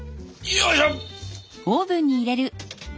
よいしょ。